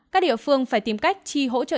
các địa phương phải tìm cách tri hỗ trợ